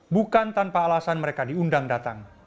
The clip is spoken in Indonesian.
bukan tanpa alasan mereka diundang datang